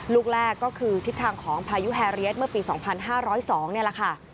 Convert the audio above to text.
ลูกแรกก็คือทิศทางของพายุแฮเรียสเมื่อปี๒๕๐๒นี่แหละค่ะ